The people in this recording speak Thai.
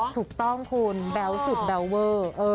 ถูกต้องคุณแบ๊วสุดแบลเวอร์